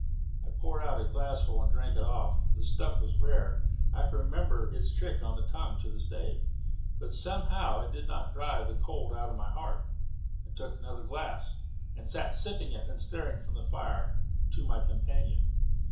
I poured out a glassful and drank it off. The stuff was rare (I can remember its trick on the tongue to this day), but somehow it did not drive the cold out of my heart. I took another glass, and sat sipping it and staring from the fire to my companion.